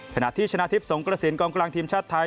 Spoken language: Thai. ขณะที่ชนะทิพย์สงกระสินกองกลางทีมชาติไทย